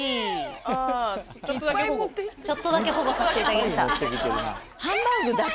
ちょっとだけ保護させていただきました。